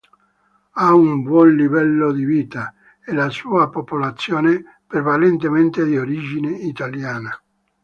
Ha un buon livello di vita, e la sua popolazione prevalentemente di origine italiana.